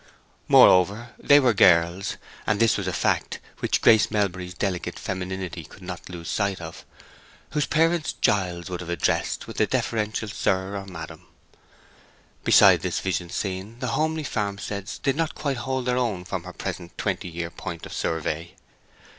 Moreover, they were girls—and this was a fact which Grace Melbury's delicate femininity could not lose sight of—whose parents Giles would have addressed with a deferential Sir or Madam. Beside this visioned scene the homely farmsteads did not quite hold their own from her present twenty year point of survey.